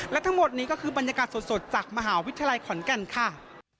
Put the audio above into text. และทั้งหมดนี้ก็คือบรรยากาศสดจากมหาวิทยาลัยขอนแก่นค่ะ